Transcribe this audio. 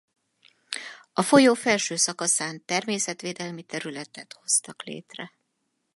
A folyó felső szakaszán természetvédelmi területet hoztak létre.